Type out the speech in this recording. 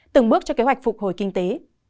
từng bước cho kế hoạch phục hồi kinh tế